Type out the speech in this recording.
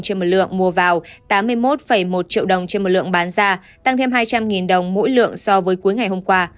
trên một lượng mua vào tám mươi một một triệu đồng trên một lượng bán ra tăng thêm hai trăm linh đồng mỗi lượng so với cuối ngày hôm qua